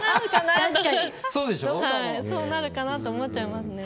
そうなるかなと思っちゃいますね。